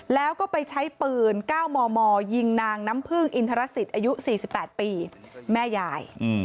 แล้วก็ไปใช้ปืน๙มมยิงนางน้ำพึ่งอินทรสิตอายุ๔๘ปีแม่ยาย